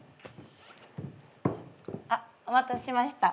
お待たせしました。